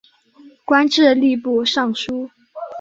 官至吏部尚书。